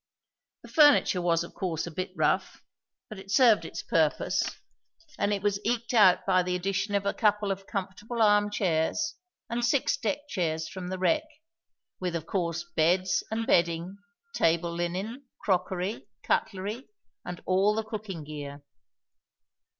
The furniture was of course a bit rough, but it served its purpose, and it was eked out by the addition of a couple of comfortable arm chairs and six deck chairs from the wreck, with, of course, beds and bedding, table linen, crockery, cutlery, and all the cooking gear.